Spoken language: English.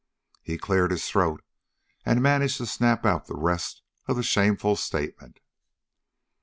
He cleared his throat and managed to snap out the rest of the shameful statement.